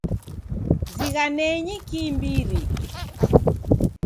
Zighanenyi kiimbiri.